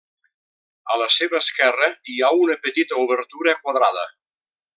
A la seva esquerra, hi ha una petita obertura quadrada.